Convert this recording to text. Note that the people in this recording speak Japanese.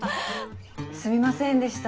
すみませんでした